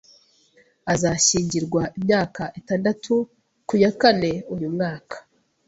Azashyingirwa imyaka itandatu ku ya Kamena uyu mwaka.